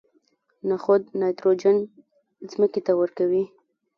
نخود نایتروجن ځمکې ته ورکوي.